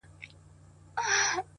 • ځوان لگيا دی؛